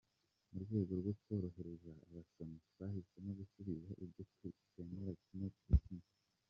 Mu rwego rwo korohereza abasomyi, twahisemo gusubiza ibyo tutemera kimwe kuri kimwe.